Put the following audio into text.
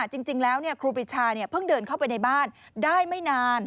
จริงแล้วครูปริชาเพิ่งเดินเข้าไปในบ้านได้ไม่นาน